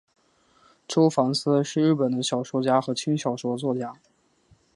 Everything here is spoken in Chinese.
周防司是日本的小说家和轻小说作家。